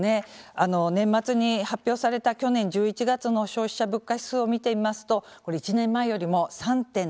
あの年末に発表された去年１１月の消費者物価指数を見てみますとこれ１年前よりも３．７％上がったんですね。